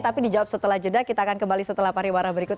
tapi dijawab setelah jeda kita akan kembali setelah pariwara berikut